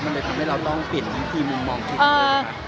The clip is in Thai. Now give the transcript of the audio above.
มันเลยทำให้เราต้องปิดทีมงมองทีมงเลยนะคะ